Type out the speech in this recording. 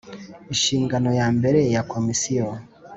Inshingano ya mbere ya Komisiyo